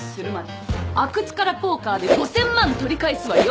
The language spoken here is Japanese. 阿久津からポーカーで５，０００万取り返すわよ。